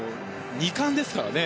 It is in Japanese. ２冠ですからね。